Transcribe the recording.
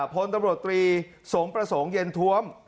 พลตำรวจตรีสมประสงค์เย็นท้วม